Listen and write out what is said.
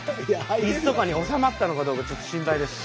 いすとかに収まったのかどうかちょっと心配ですね。